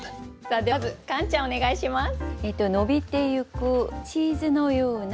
さあではまずカンちゃんお願いします。